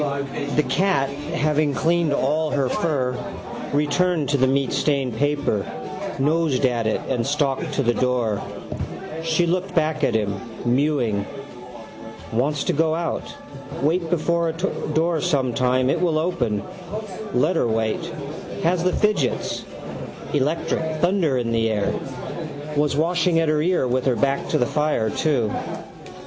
The cat, having cleaned all her fur, returned to the meatstained paper, nosed at it and stalked to the door. She looked back at him, mewing. Wants to go out. Wait before a door sometime it will open. Let her wait. Has the fidgets. Electric. Thunder in the air. Was washing at her ear with her back to the fire too.